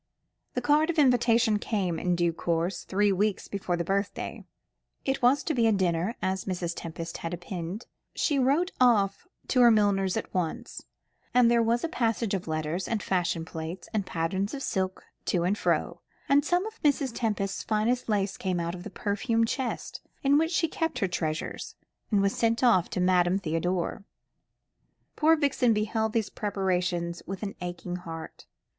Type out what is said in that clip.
The card of invitation came in due course, three weeks before the birthday. It was to be a dinner, as Mrs. Tempest had opined. She wrote off to her milliner at once, and there was a passage of letters and fashion plates and patterns of silk to and fro, and some of Mrs. Tempest's finest lace came out of the perfumed chest in which she kept her treasures, and was sent off to Madame Theodore. Poor Vixen beheld these preparations with an aching heart.